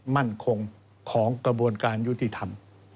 มั่นคงของกระบวนการยุติธรรม